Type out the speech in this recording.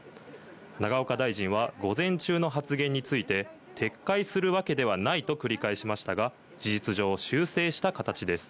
永岡大臣は午前中の発言について、撤回するわけではないと繰り返しましたが、事実上、修正した形です。